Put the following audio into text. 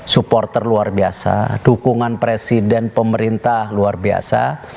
supporter luar biasa dukungan presiden pemerintah luar biasa